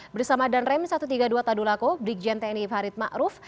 bersama danrem satu ratus tiga puluh dua tadulako brigjen tni farid ma'ruf